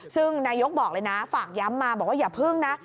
ซึ่งนายกบอกเลยนะฝากย้ำมาบอกว่าอย่าพึ่งนะ